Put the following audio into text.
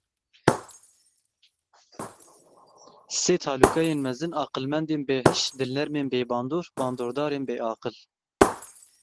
Sê talûkeyên mezin: aqilmendên bêhis, dilnermên bêbandor, bandordarên bêaqil.